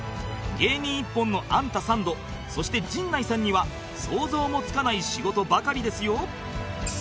芸人一本のアンタサンドそして陣内さんには想像もつかない仕事ばかりですよ